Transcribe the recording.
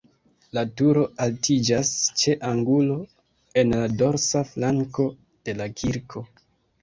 La turo altiĝas ĉe angulo en la dorsa flanko de la kirko.